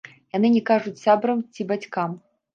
Яны не кажуць сябрам ці бацькам.